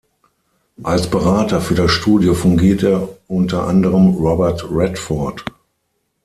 Als Berater für das Studio fungierte unter anderem Robert Redford.